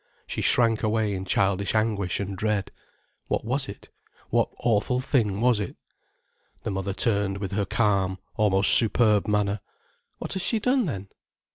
She shrank away in childish anguish and dread. What was it, what awful thing was it? The mother turned with her calm, almost superb manner. "What has she done, then?"